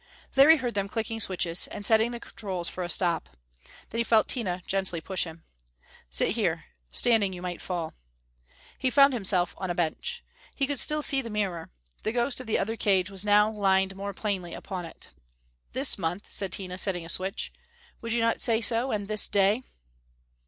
Larry heard them clicking switches, and setting the controls for a stop. Then he felt Tina gently push him. "Sit here. Standing, you might fall." He found himself on a bench. He could still see the mirror. The ghost of the other cage was now lined more plainly upon it. "This month," said Tina, setting a switch. "Would not you say so? And this day."